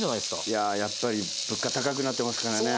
いややっぱり物価高くなってますからね。